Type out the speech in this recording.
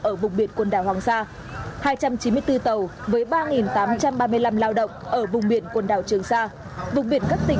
ở vùng biển quảng ngãi